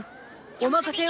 お任せを！